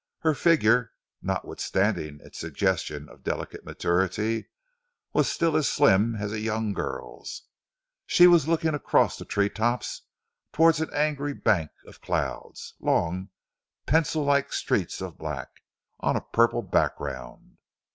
Her figure, notwithstanding its suggestions of delicate maturity, was still as slim as a young girl's. She was looking across the tree tops towards an angry bank of clouds long, pencil like streaks of black on a purple background.